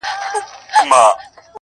کله کله ځان ترې ورک سي چي غلام دی -